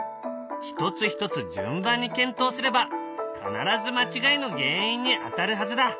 一つ一つ順番に検討すれば必ず間違いの原因に当たるはずだ！